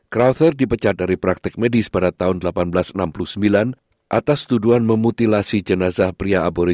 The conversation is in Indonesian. crover dipecat dari praktek medis pada tahun seribu delapan ratus enam puluh sembilan atas tuduhan memutilasi jenazah pria abori